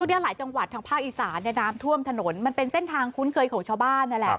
เนี่ยหลายจังหวัดทางภาคอีสานเนี่ยน้ำท่วมถนนมันเป็นเส้นทางคุ้นเคยของชาวบ้านนั่นแหละ